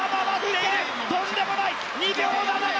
とんでもない２秒７７！